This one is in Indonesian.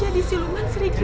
jadi siluman sering kita